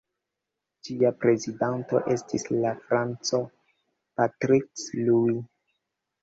Ĝia prezidanto estis la franco Patrick Louis.